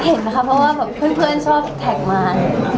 ก็เห็นค่ะเพราะว่าเพื่อนชอบแท็กมา